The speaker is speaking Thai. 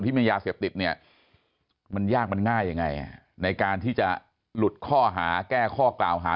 ไม่มียาเสพติดเนี่ยมันยากมันง่ายยังไงในการที่จะหลุดข้อหาแก้ข้อกล่าวหา